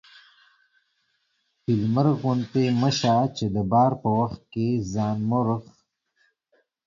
فيل مرغ غوندي مه سه چې د بار په وخت کې ځان مرغ